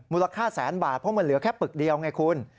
มูลค่าแสนบาทเพราะมันเหลือแค่ปึกเดียวไงคุณ